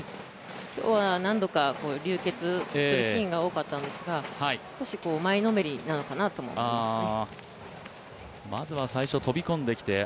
今日は何度か流血するシーンが多かったんですが、少し前のめりなのかなと思いますね。